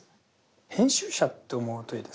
編集者って思うといいですかね。